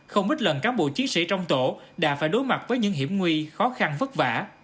không ít lần cán bộ chiến sĩ trong tổ đã phải đối mặt với những hiểm nguy khó khăn vất vả